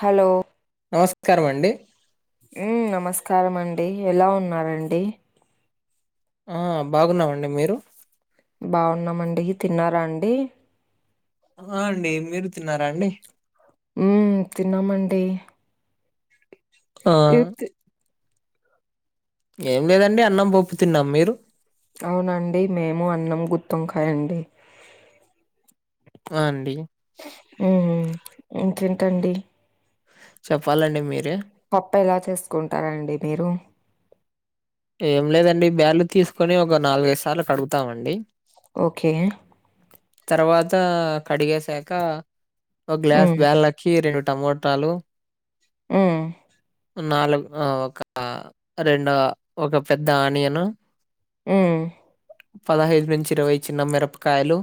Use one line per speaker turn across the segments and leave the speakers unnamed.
Hello
నమస్కారమండి
మ్మ్ నమస్కారమండి ఎలా ఉన్నారండి
ఆ బాగున్నామండి మీరు
బాగున్నామండి ఇ తిన్నారా అండి
ఆ అండి మీరు తిన్నారా అండి
మ్మ్ తిన్నామండి
ఆ
ఏప్తి
ఏం లేదండి అన్నం పప్పు తిన్నాం మీరు?
అవునండి మేము అన్నం గుత్తి వంకాయ అండి.
వాఅండి
మ్ ఇంకేంకండి.
చెప్పాలండి మీరే.
పప్ప ఎలా చేసుకుంటారండి మీరు?
ఏం లేదండి బ్యాలు తీసుకొని ఒక నాలుగైదు సార్లు కడుగుతామండి.
ఓకే
తర్వాత కడిగసాక ఒక గ్లాస్
మ్మ్
బ్యాల్ కి రెండు టమోటాలు
మ్
నాలుగు ఒక రెండు ఒక పెద్ద ఆనియను
మ్
పదహైదు నుంచి ఇరవై చిన్న మిరపకాయలు.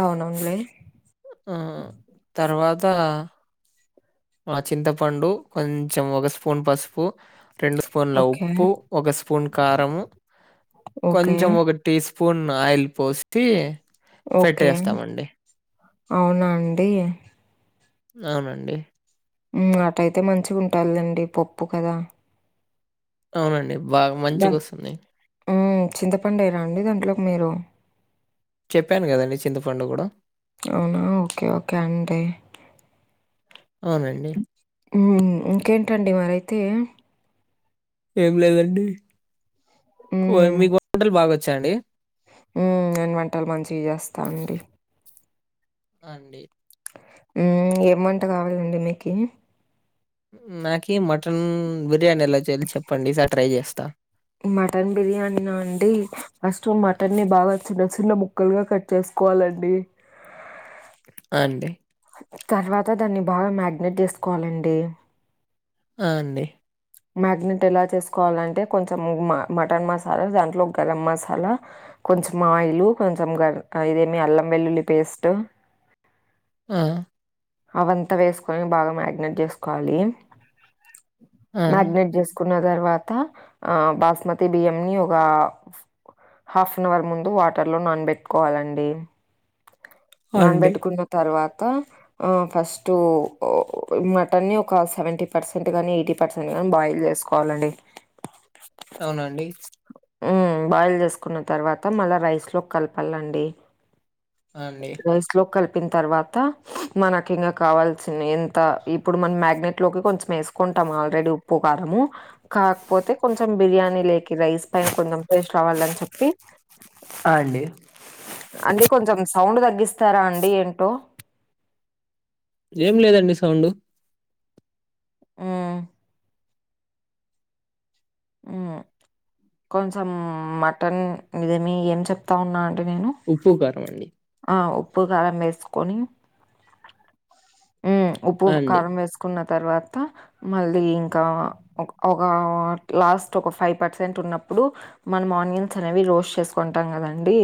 అవునండి
ఆ తర్వాత ఆ చింతపండు కొంచెం ఒక స్పూన్ పసుపు రెండు స్పూన్ల
ఓకే
ఉప్పు ఒక స్పూన్ కారం
ఓకే
కొంచెం ఒక టీ స్పూన్ ఆయిల్ పోసి
ఓకే
పెట్టేస్తామండి.
అవునా అండి
అవునండి
అటయితే మంచిగా ఉంటాదిలేండి పప్పు కదా
అవునండి బాగా మంచిగా వస్తుంది.
చింతపండు వేయరా అండి దాంట్లోకి మీరు
చెప్పాను కదండీ, చింత పండు కూడా
అవునా ఓకే ఓకే అండి
అవునండి
ఇంకేంటండి మరైతే
ఏం లేదండి
హ్మ్.
మీకు వంటలు బాగా వచ్చాండి.
మ్ నేను వంటలు మంచిగా చేస్తాను అండి.
అండి
ఏమి వంటకావాలండి మీకి
నాకు మటన్ బిర్యానీ ఎలా చేయలో చెప్పండి ఈసారి ట్రై చేస్తా.
మటన్ బిర్యానీ నా అండి ఫస్ట్ మటన్ని ని బాగా చిన్న చిన్న ముక్కలుగా కట్ చేసుకోవాలండి.
ఆ అండి
తర్వాత దాన్ని బాగా మ్యరినేట్ చేసుకోవాలండి.
ఆ అండి
మ్యారినేట్ ఎలా చేసుకోవాలంటే కొంచెం మటన్ మసాలా దాంట్లో గరం మసాలా కొంచెం ఆయిలు, కొంచెం గర్ ఇదేమి అల్లం వెల్లుల్లి పేస్ట్
ఆ
అవంతా వేసుకొని బాగా మ్యారినేట్ చేసుకోవాలి
ఆ!
మ్యారినేట్ చేసుకున్న తర్వాత ఆ బాస్మతి బియ్యం ని ఒక హాఫ్ అన్ అవర్ ముందు వాటర్ లో నానబెట్టుకోవాలండి.
ఆ! అండి.
నానబెట్టుకున్న తర్వాత ఫస్టు మటన్ని ఒక సెవెంటీ పర్సెంట్ కానీ ఎయిటీ పర్సెంట్ కాని బాయిల్ చేసుకోవాలండి.
అవునండి
బాయిల్ చేసుకున్న తర్వాత మళ్ళా రైస్ లో కి కలపాలండి.
ఆ అండి
రైస్ లో కి కలిపిన తర్వాత మనకి ఇంగ కావాల్సిన ఎంత ఇప్పుడు మన మ్యారినేట్ లో కొంచం వేసి కుంటాము ఆల్రెడీ ఉప్పు కారము కాకపోతే కొంచెం బిర్యానీ లేకి రైస్ పైన కొంచెం టేస్ట్ రావ్వాలని చెప్పి
అ అండి
అంటే కొంచెం సౌండ్ తగ్గిస్తారా అండి ఏంటో
ఏం లేదండి సౌండ్
మ్ మ్ కొంచెం మటన్ ఇదేమి ఏం చెప్తా ఉన్నా అండి నేను.
ఉప్పు, కారం అండి
ఆ ఉప్పు, కారం వేసుకొని ఉప్పు,
ఆ! అండి.
కారం వేసు కున్న తర్వాత మళ్ళీ ఇంకా ఒక లాస్ట్ ఒక ఫైవ్ పర్సెంట్ ఉన్నప్పుడు మనం ఆనియన్స్ అనేవి రోస్ట్ చేసుకుంటాం కదండి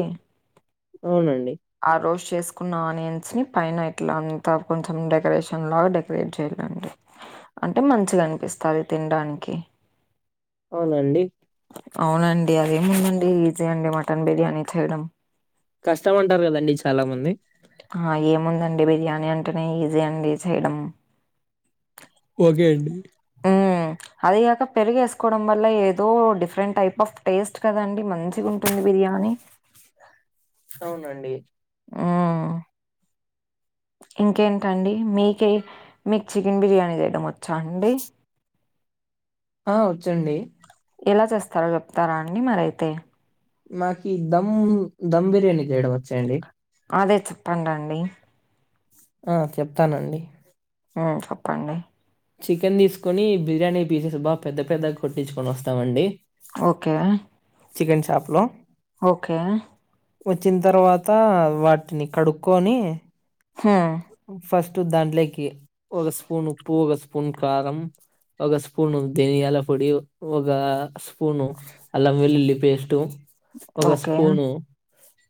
అవునండి
ఆ రోస్ట్ చేసుకున్న ఆనియన్స్ ని పైన ఇట్లా అంతా కొంచెం డెకరేషన్ లాగ డెక రేట్ చేయాలండి అంటే మంచిగా అనిపిస్తాది తినడానికి.
అవునండి
అవునండి అదేముందండీ ఈజీ అండి మటన్ బిర్యానీ చేయడం.
కష్టం అంటారు కదండి చాలా మంది
ఆ ఏముందండి బిర్యానీ అంటేనే ఈజీ అండి చేయడం
ఓకే అండి
అదిగాక పెరిగ వేసుకోవడం వల్ల ఏదో డిఫరెంట్ టైప్ ఆఫ్ టేస్ట్ కదండి మంచిగా ఉంటుంది బిర్యానీ
అవునండి
మ్ ఇంకేంటండి మీక మీకు చికెన్ బిర్యానీ చేయడం వచ్చా అండి.
ఆ వచ్చండి
ఎలా చేస్తారో చెప్తారా అండి మరైతే
మాకి ధమ్ ధమ్ బిర్యానీ చేయడం వచ్చండీ.
అదే చెప్పండి అండి
ఆ చెప్తానండి.
మ్ చెప్పండి
చికెన్ తీసుకొని బిర్యానీ పీసెస్ బాగా పెద్ద పెద్దగా కొట్టించుకొని వస్తామండి
ఓకే
చికెన్ షాప్లో
ఓకే
వచ్చిన తర్వాత వాటిని కడుక్కొని
హ్మ్
ఫస్ట్ దాంట్లోకి ఒక స్పూన్ ఉప్పు ఒక స్పూన్ కారం ఒక స్పూను దధనియాల పొడి ఒక స్పూను అల్ల వెల్లుల్లి పేస్టు ఒక
ఓకే.
స్పూను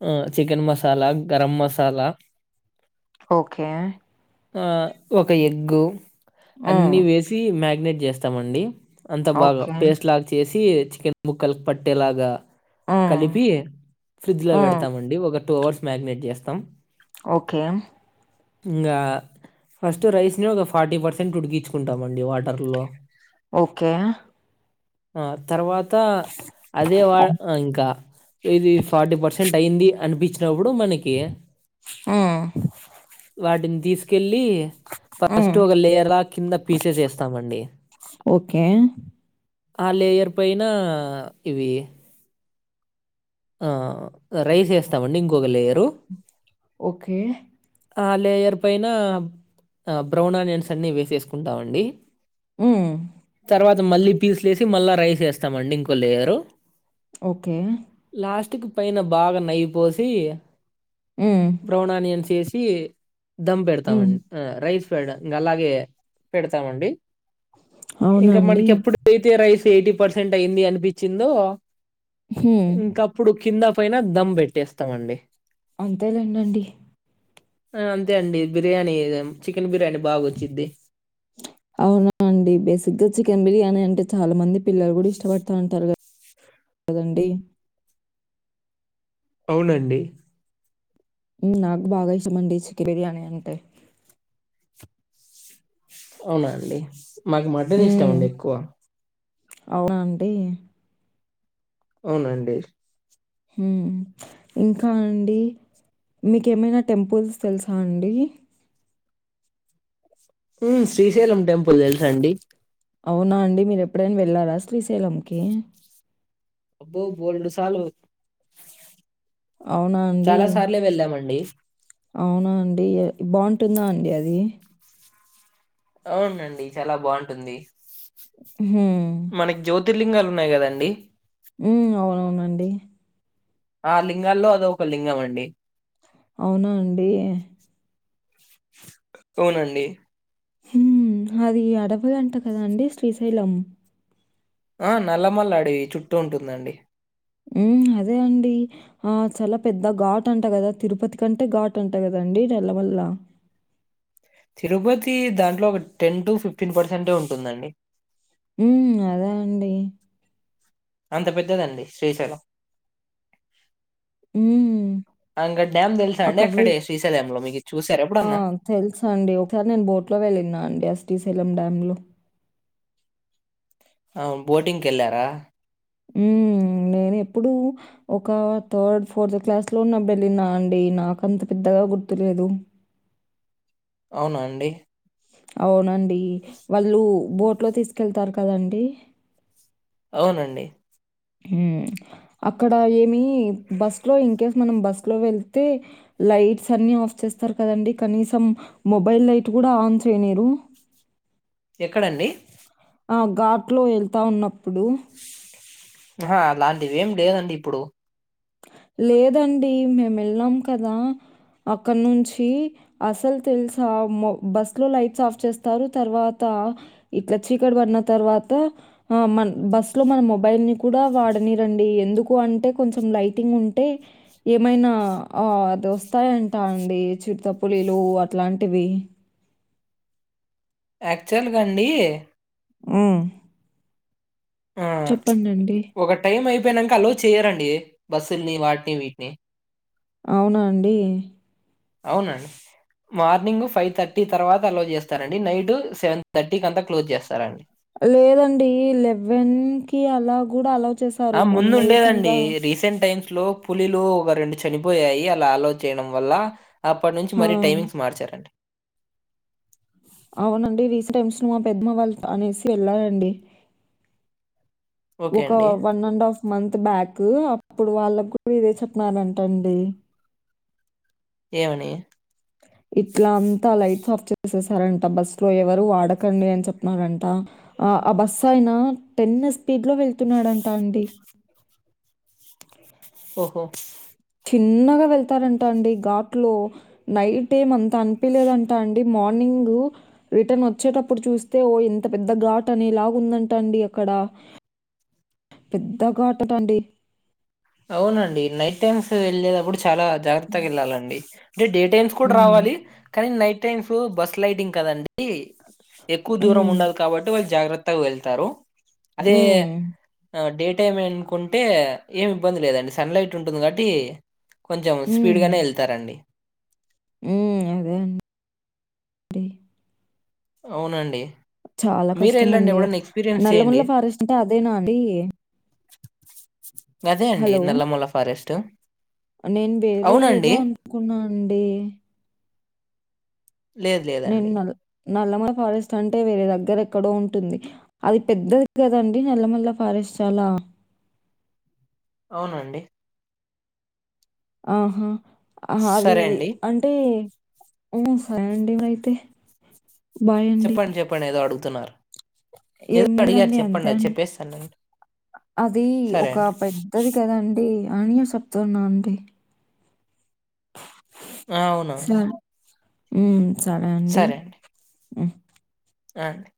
ఆ చికెన్ మసాలా గరం మసాలా
ఓకే
ఒక ఎగ్
హ్మ్.
అన్నీ వేసి మ్యారినేట్ చేస్తామండి. అంత బాగా
ఓకే.
పేస్ట్ లాగా చేసి చికెన్ ముక్కలు పట్టేలాగా
హ్మ్.
కలిపి ఫ్రిడ్జ్ లో
హ్మ్.
పెడతామండి ఒక టూ అవర్స్ మ్యాగినేట్ చేస్తాం.
ఓకే
ఇంకా ఫస్ట్ రైస్ని ఒక ఫార్టీ పర్సెంట్ ఉడికించుకుంటామండి వాటర్లో
ఓకే
ఆ తర్వాత అదే వా ఇంకా ఇది ఫార్టీ పర్సెంట్ అయ్యింది అనిపించినప్పుడు మనకి
మ్
వాటిని తీసుకెళ్ళి
హ్మ్.
ఫస్ట్ ఒక లేయర్ కింద పీసేస్ వేస్తామండి.
ఓకే
ఆ లేయర్ పైన ఇవి రైస్ వేస్తామండి ఇంకొక లేయరు.
ఓకే
లేయర్ పైన బ్రౌన్ ఆనియన్స్ అన్నీ వేసేసుకుంటామండి.
హ్మ్.
తర్వాత మళ్ళీ పీస్లేసి మళ్ళా రైస్ వేస్తామండి. ఇంకో లేయరు.
ఓకే
లాస్టికి పైన బాగా నెయ్యి పోసి
మ్
బ్రౌన్ఆనియన్స్ వేసి దమ్
హ్మ్.
పెడతామండి. రైస్ పెడం ఇంకా అలాగే పెడతామండి
అవునా
ఇంక
అండి?
మనకి ఎప్పుడు తే రైస్ ఎయిటీ పర్సెంట్ అయింది అనిపించిందో
హ్మ్.
ఇంకా ఇప్పుడు కింద పైన దమ్ పెట్టేస్తామండి.
అంతేలేండండి.
ఆ అంతే అండి బిర్యానీ. చికెన్ బిర్యానీ బాగా వచ్చిద్ది.
అవునా అండి బేసిక్గా చికెన్ బిర్యానీ అంటే చాలా మంది పిల్లలు కూడా ఇష్టపడతా ఉంటారు కదా. కదండి.
అవునండి
నాకు బాగా ఇష్టమండి చికెన్ బిర్యానీ అంటే
అవునా అండి మాకి మటన్ ఇష్టమండి ఎక్కువ.
అవునానండి.
అవునండి.
ఇంకా అండి మీకు ఏమైనా టెంపుల్స్ తెలుసా అండి?
శ్రీశైలం టెంపుల్ తెలుసు అండి.
అవునా అండి మీరు ఎప్పుడైనా వెళ్ళారా శ్రీశైలంకి?
అబ్బో బోల్డ్ సార్లు
అవునా అండి?
చాలా సార్లే వెళ్ళామండి.
అవునా అండి బాగుంటుందా అండి అది.
అవునండి చాలా బాగుంటుంది.
హ్మ్.
మనకి జ్యోతి ర్లింగాలు ఉన్నాయి కదండి.
ఉ అవునవునండి
ఆ లింగాల్లో అదొక లింగం అండి.
అవునా అండి.
అవునండి.
అది అడవులంట కదా అండి శ్రీశైలం.
ఆ నల్ల మల్ల అడివి చుట్టూ ఉంటుందండి.
ఉ అదే అండి. ఆ చాలా పెద్ద ఘాట్ అంట కదా తిరుపతి కంటే ఘాట్ అంటా కదండి నల్ల మల్ల.
తిరుపతి దాంట్లో ఒక టెన్ టు ఫిఫ్టీన్ పర్సెంటె ఉంటుందండి.
ఉమ్ అదే అండి.
అంత పెద్దదండి శ్రీశైలం.
మ్మ్
అకా డ్యామ్ తెలుసా అండి అక్కడే శ్రీశైలంలో మీకు చూసార ఎప్పుడన్నా.
తెలుసు అండి ఒకసారి నేను బోట్ లో వెళ్ళిన అండి ఆ శ్రీశైలం డ్యాంలో.
ఆ బోటింగ్ కి వెళ్ళారా.
ఉ నేను ఎప్పుడూ. ఒక థర్డ్ ఫోర్త్ క్లాస్ లో ఉన్నప్పుడు వెళ్ళినా అండి నాకంత పెద్దగా గుర్తులేదు.
అవునా అండి.
అవునండి వాళ్ళు బోట్ లో తీసుకెళ్తారు కదండి.
అవునండి.
ఉమ్ అక్కడ ఏమి బస్ లో ఇన్కేస్ మనం బస్ లో వెళ్తే. లైట్స్ అన్ని ఆఫ్ చేస్తారు కదండి కనీసం మొబైల్ లైట్ కూడా ఆన్ చేయనీరు.
ఎక్కడండి.
ఆ ఘాట్లో వెళ్తా ఉన్నప్పుడు.
ఆహ అలాంటిది ఏం లేదండి ఇప్పుడు.
లేదండి మేము వెళ్ళం కదా అక్కడ నుంచి. అసలు తెలుసా మో బస్ లో లైట్స్ ఆఫ్ చేస్తారు తర్వాత. ఇట్లా చీకటి పడ్న తర్వాత. ఆ మన్ బస్ లో మన మొబైల్ ని కూడా వాడనిరండి ఎందుకు అంటే కొంచెం లైట్ టింగ్ ఉంటే. ఏమైనా అది వస్తాయంటా అండి చిరుతపులీలు అట్లాంటివి.
యాక్చువల్గాండి.
ఉ
ఆ
చెప్పండండి.
ఒక టైం అయిపోయినాక అలో చేయరండి బస్సుల్ని వాటిని వీటిని.
అవునాఅండి.
అవునండి. మార్నింగ్ ఫైవ్ థర్టీ తర్వాత అలో చేస్తారండి నైట్ సెవెన్ థర్టీకి అంతా క్లోజ్ చేస్తారండి.
లేదండి లెవెన్ కి అలా కూడా అలో చేస్త్
ఆ ముందు ఉండేదండి రీసెంట్ టైమ్స్ లో. పులిలు ఒక రెండు చనిపోయాయి అలా అలో చేయడం వల్ల అప్పటి నుంచి మరి
ఆ!
టైమింగ్స్ మార్చారండి.
అవునండి రీసెంట్ టైమ్స్ మా పెద్దమ్మ వాళ్ళ ఫ్యామిలీస్ వెళ్ళాలండి.
ఓకే
ఒక
అండి.
One and half. Month back అప్పుడు వాళ్ళకు కూడా ఇదే చెప్పినారంట అండి.
ఏవని.
ఇట్లా అంతా లైట్స్ ఆఫ్ చేసేస్తారంట బస్సు లో ఎవరు వాడకండి అని చెప్నారంట. ఆ ఆ బస్సు ఆయన టెన్ స్పీడ్ లో వెళ్తున్నాడంట అండి.
ఓహో
చిన్నగా వెళ్తారంటా అండి ఘాట్లో. నైట్ ఏం అంత అనిపలేదంటా అండి మార్నింగు. రిటర్న్ వచ్చేటప్పుడు చూస్తే ఓ ఎంత పెద్ద ఘాట్ అనేలాగ ఉందంట అండి అక్కడ. పెద్ద ఘాట్ అట్టండి.
అవునండి నైట్ టైమ్స్ వెళ్ళేటప్పుడు చాలా.
హ్మ్.
జాగ్రత్తగా వెళ్ళాలండి అంటే డే టైమ్స్ కూడా
హ్మ్.
రావాలి. కానీ నైట్ టైమ్స్ బస్ లైటింగ్ కదండి ఎక్కువ దూరం
హ్మ్.
ఉండాలి కాబట్టి వాళ్ళు జాగ్రత్తగా వెళ్తారు అదే
హ్మ్.
డేట్ డే టైమే అనుకుంటే ఏమి ఇబ్బంది లేదండి సన్ లైట్ ఉంటుంది కాబట్టి. కొంచెం స్పీడ్ గానే వెళ్తారండి
ఉమ్ అదే అండి
అవునండి.
చాలా
మీరే ఎళ్ళండి
కష్టమండి
ఎప్పుడన్నా ఎక్స్పీరియన్స్ చేయండి.
నల్లమల్ల ఫారెస్ట్ అంటే అదేనా అండి.
అదే అండి
హలో!
నల్లమల్ల ఫారెస్ట్
నేను వేరే ఏదో
అవునండి.
అనుకున్నా అండి.
లేదు
నేను
లేదండి.
నల్ నల్లమల్ల ఫారెస్ట్ అంటే వేరే దగ్గర ఎక్కడో ఉంటుంది. అది పెద్దది కదండి నల్లమల్ల ఫారెస్ట్ చాలా.
అవునండి.
ఆహా ఆ అది
సరే అండి.
అంటే సరే అండి అయితే
చెప్పండి చెప్పండి ఏదో అడుగుతున్నారు. ఏదో
ఏమి
అడిగారు
లేదండి అంతే
చెప్పండి అది
అండి
చెప్పేస్తానండి.
అది
సరే
ఒక
అండి.
పే. ఉంటది కదండీ అనియో చెప్తున్నా అండి.
అవునా.
మ్మ్ సరే అండి
అ